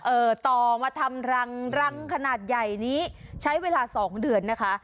ต่อมาทำรังรังขนาดใหญ่นี้ใช้เวลาสองเดือนนะคะ